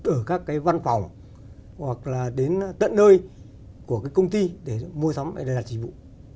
ở các văn phòng hoặc đến tận nơi của công ty để mua sắm để đặt dịch vụ